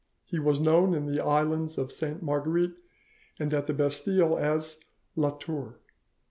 He was known in the islands of Sainte Marguerite and at the Bastille as 'La Tour.